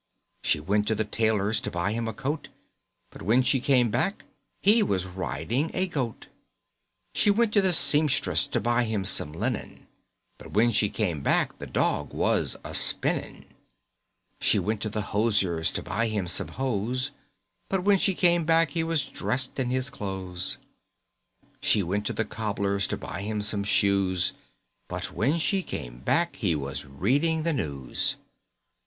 She went to the tailor's, To buy him a coat, But when she came back He was riding a goat. [Illustration: THE DOG PLAYING THE FLUTE.] [Illustration: THE DOG SPINNING.] She went to the sempstress To buy him some linen, But when she came back The Dog was a spinning. She went to the hosier's To buy him some hose, But when she came back He was dressed in his clothes. She went to the cobbler's To buy him some shoes, But when she came back He was reading the news.